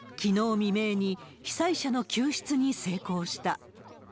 未明に被災者の救出に成功した。